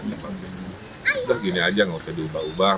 kita gini saja tidak usah diubah ubah